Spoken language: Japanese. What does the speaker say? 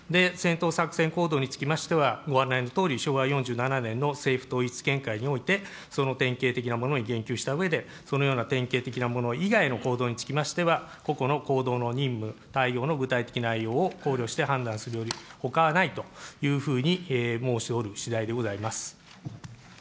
戦闘作戦行動につきましては、ご案内のとおり昭和４７年の政府統一見解において、その典型的なものに言及したうえで、そのような典型的なもの以外の行動につきましては、個々の行動の任務、対応の具体的内容を考慮して判断するよりほかないというふうに申しておるしだいでございます。